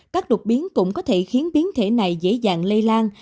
các đột biến cũng có thể khiến biến thể này dễ dàng lây lan